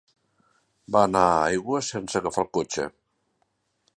Va anar a Aigües sense agafar el cotxe.